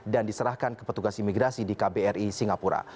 dan diserahkan ke petugas imigrasi di kbri singapura